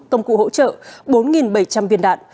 công cụ hỗ trợ bốn bảy trăm linh viên đạn